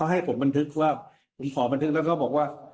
ให้ผมบันทึกว่าผมขอบันทึกแล้วก็บอกว่า